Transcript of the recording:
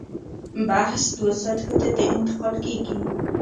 بحث دوو سطحو ته انتقال کېږي.